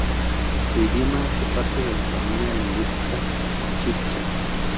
Su idioma hace parte de la familia lingüística chibcha.